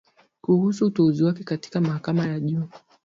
kuhusu uteuzi wake katika mahakama ya juu